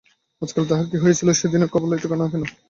আজকাল তাহার কী হইয়াছিল, সেনদিদির খবর লইত না কেন?